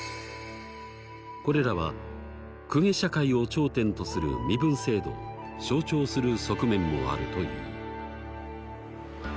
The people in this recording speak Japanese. これらは公家社会を頂点とする身分制度を象徴する側面もあるという。